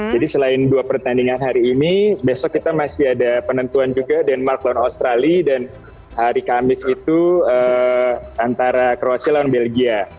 jadi selain dua pertandingan hari ini besok kita masih ada penentuan juga denmark lawan australia dan hari kamis itu antara kroasia lawan belgia